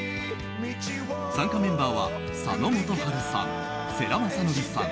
参加メンバーは佐野元春さん、世良公則さん